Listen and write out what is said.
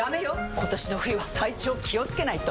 今年の冬は体調気をつけないと！